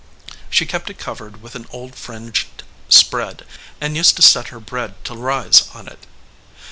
She kept it covered with an old fringed spread, and used to set her bread to rise on it.